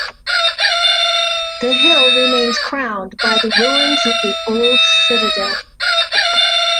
The hill remains crowned by the ruins of the old citadel.